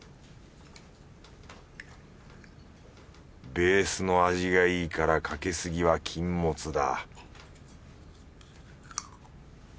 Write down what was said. ベースの味がいいからかけ過ぎは禁物だ